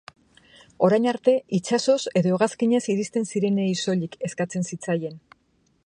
Orain arte, itsasoz edo hegazkinez iristen zirenei soilik eskatzen zitzaien.